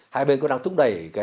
hai bên cũng đang thúc đẩy